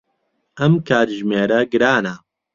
ئەم کاتژمێرە گرانە.